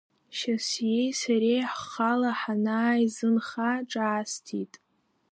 Шьасиеи сареи ҳхала ҳанааизынха ҿаасҭит…